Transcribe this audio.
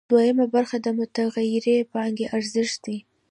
دویمه برخه د متغیرې پانګې ارزښت دی